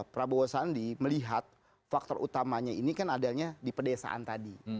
prabowo sandi melihat faktor utamanya ini kan adanya di pedesaan tadi